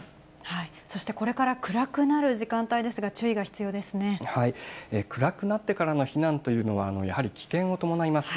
そしてこれから暗くなる時間暗くなってからの避難というのは、やはり危険を伴います。